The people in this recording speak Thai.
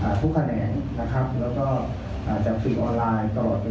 จับสื่อทุกคะแหน่งนะครับแล้วก็จับสื่อออนไลน์ตลอด